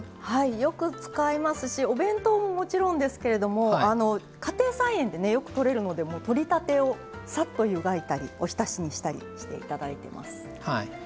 よく使いますしお弁当ももちろんですけれど家庭菜園でよく取れるので、取り立てをさっと、ゆがいたりおひたしにしたりしていただいています。